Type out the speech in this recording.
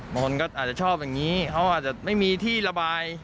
บางคนก็อาจจะชอบอย่างนี้เขาอาจจะไม่มีที่ระบาย